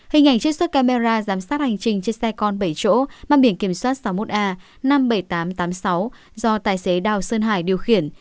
hình ảnh chiếc xuất camera giám sát hành trình trên xe con bảy chỗ mang biển kiểm soát sáu mươi một a năm mươi bảy nghìn tám trăm tám mươi sáu do tài xế đào sơn hải điều khiển